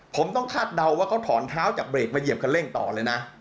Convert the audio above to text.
ผมต้องคาดเดาว่าเขาถอนเท้าจากเบรกมาเหยียบคันเร่งต่อเลยนะ